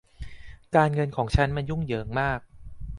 การเงินของฉันมันยุ่งเหยิงมาก